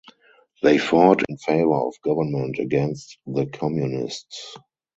They fought in favour of government against the communists.